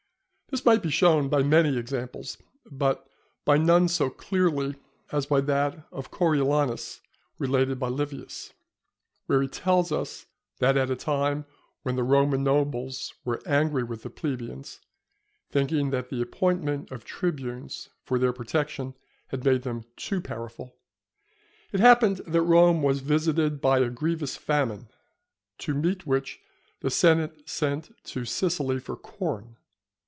This might be shown by many examples, but by none so clearly as by that of Coriolanus related by Livius, where he tells us, that at a time when the Roman nobles were angry with the plebeians (thinking that the appointment of tribunes for their protection had made them too powerful), it happened that Rome was visited by a grievous famine, to meet which the senate sent to Sicily for corn.